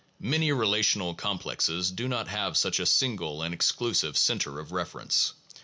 2 Many relational complexes do not have such a single and exclusive center of reference.